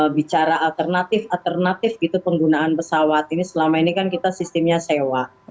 bicara alternatif alternatif gitu penggunaan pesawat ini selama ini kan kita sistemnya sewa